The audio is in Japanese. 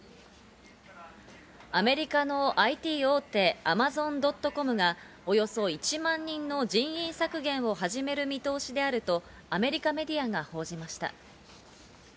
アメリカのＩＴ大手アマゾン・ドット・コムが、およそ１万人の人員削減を始める見通しであるとアメリカメディアが報じました。